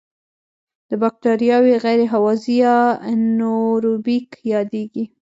دا بکټریاوې غیر هوازی یا انئیروبیک یادیږي.